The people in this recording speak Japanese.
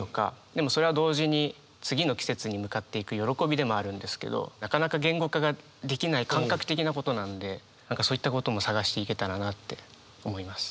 でもそれは同時に次の季節に向かっていく喜びでもあるんですけどなかなか言語化ができない感覚的なことなので何かそういったことも探していけたらなって思います。